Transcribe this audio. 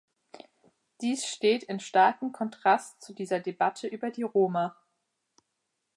Dies steht in starkem Kontrast zu dieser Debatte über die Roma.